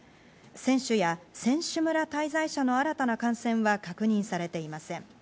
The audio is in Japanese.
選手や選手村滞在者の新たな感染は確認されていません。